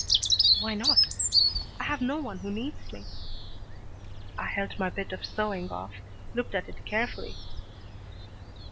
"Why not? I have no one who needs me." I held my bit of sewing off, looked at it carefully.